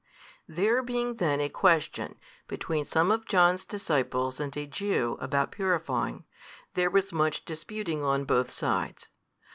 There being then a question between some of John's disciples and a Jew about purifying, there was much disputing on both sides.